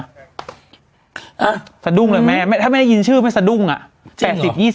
สะดุ้งเลยแม่ถ้าไม่ได้ยินชื่อไม่สะดุ้งอ่ะ